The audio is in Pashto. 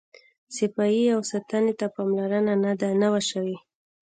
صفایي او ساتنې ته پاملرنه نه وه شوې.